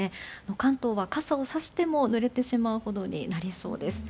関東は傘をさしてもぬれてしまうほどになりそうです。